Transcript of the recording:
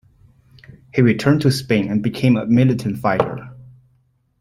He returned to Spain and became a militant fighter.